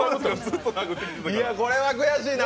これは悔しいな。